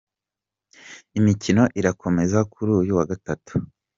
Imikino irakomeza kuri uyu wa Gatatu.